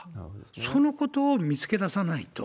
そのことを見つけ出さないと。